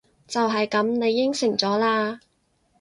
就係噉！你應承咗喇！